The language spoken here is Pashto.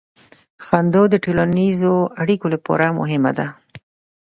• خندا د ټولنیزو اړیکو لپاره مهمه ده.